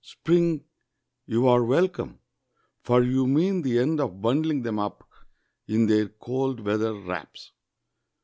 Spring, you are welcome, for you mean the end of Bundling them up in their cold weather wraps.